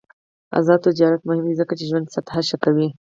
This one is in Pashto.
آزاد تجارت مهم دی ځکه چې ژوند سطح ښه کوي.